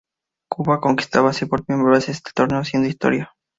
Cuba conquistaba así por primera vez este torneo, haciendo historia.